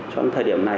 cho đến thời điểm này